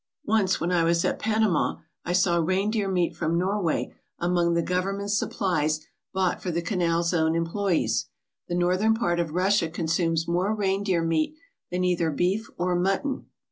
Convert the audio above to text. Once when I was at Panama I saw reindeer meat from Norway among the government supplies bought for the Canal Zone employees. The northern part of Russia consumes more reindeer meat than either beef or mutton.